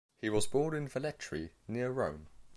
He was born in Velletri, near Rome.